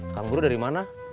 kang bro dari mana